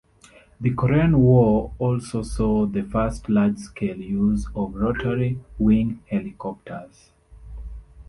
The Korean War also saw the first large-scale use of rotary-wing helicopters.